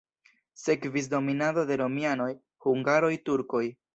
Sekvis dominado de romianoj, hungaroj, turkoj.